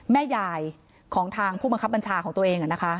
แม่ยายของทางผู้บังคับบัญชาของตัวเอง